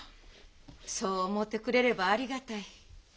そう思うてくれればありがたい。